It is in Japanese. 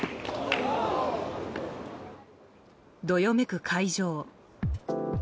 どよめく会場。